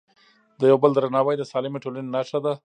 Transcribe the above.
د یو بل درناوی د سالمې ټولنې نښه ده.